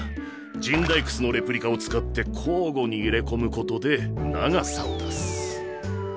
神代楠のレプリカを使って交互に入れ込むことで長さを出す。